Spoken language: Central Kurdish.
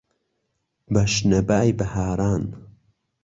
بە شنەبای بەهاران